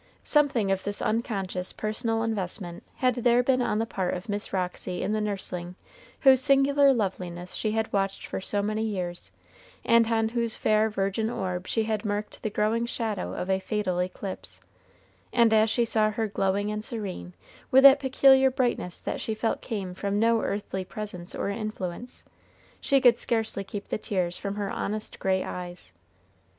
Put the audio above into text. Something of this unconscious personal investment had there been on the part of Miss Roxy in the nursling whose singular loveliness she had watched for so many years, and on whose fair virgin orb she had marked the growing shadow of a fatal eclipse, and as she saw her glowing and serene, with that peculiar brightness that she felt came from no earthly presence or influence, she could scarcely keep the tears from her honest gray eyes.